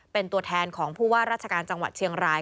เป็นตัวแทนของผู้ว่าราชการจังหวัดเชียงราย